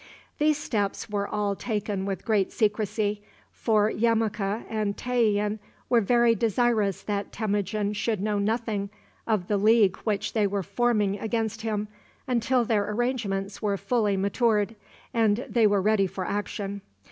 These steps were all taken with great secrecy, for Yemuka and Tayian were very desirous that Temujin should know nothing of the league which they were forming against him until their arrangements were fully matured, and they were ready for action.